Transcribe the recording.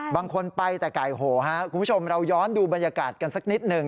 บางคนไปแต่ไก่โหครับคุณผู้ชมเราย้อนดูบรรยากาศกันสักนิดหนึ่ง